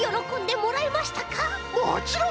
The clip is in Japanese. もちろん！